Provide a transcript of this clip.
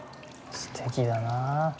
すてきだな。